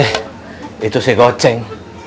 eh itu si goceng